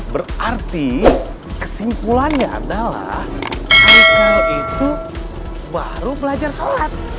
berarti kesimpulannya adalah baru belajar sholat